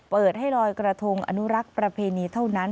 เปิดให้ลอยกระทงอนุรักษ์ประเพณีเท่านั้น